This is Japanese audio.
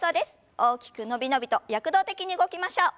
大きく伸び伸びと躍動的に動きましょう。